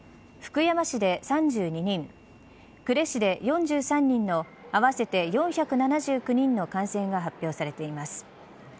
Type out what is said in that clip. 福山市で３２人呉市で４３人の合わせて４７９人の感染が発表されています。